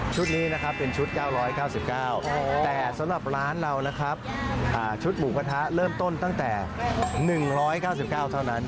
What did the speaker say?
นี้นะครับเป็นชุด๙๙๙แต่สำหรับร้านเรานะครับชุดหมูกระทะเริ่มต้นตั้งแต่๑๙๙เท่านั้น